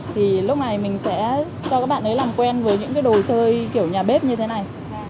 thì lúc này mình sẽ cho các bạn ấy làm quen với những cái đồ chơi kiểu nhà bếp như thế này